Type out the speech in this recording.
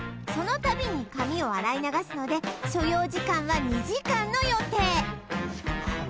そのたびに髪を洗い流すので所要時間は２時間の予定